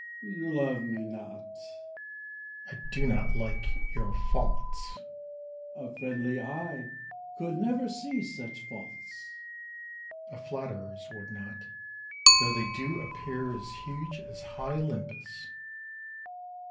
Cas. You love me not. Bru. I do not like your faults. Cas. A friendly eye could never see such faults. Bru. A flatterer's would not, though they do appear As huge as high Olympus. Cas.